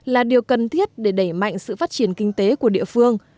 là điều cần thiết để đẩy mạnh sự phát triển kinh tế của địa phương